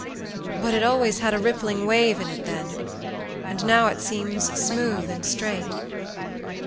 But it always had a rippling wave in it then, and now it seems smooth and straight."